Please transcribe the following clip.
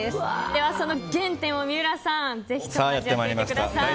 では、その原点を三浦さん、ぜひとも味わってください。